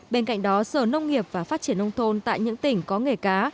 bên cạnh đó sở nông nghiệp và phát triển nông thôn tại những tỉnh có nghề cá